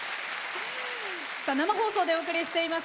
生放送でお送りしています